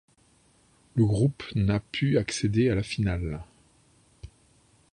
Le groupe n'a pu accéder à la finale.